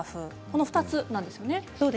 この２つなんですよね。